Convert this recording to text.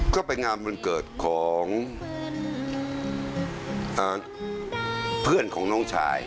ก็ไปงานวันเกิดของเพื่อนของน้องชาย